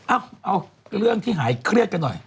เอาเรื่องที่หายเครียดกันหน่อย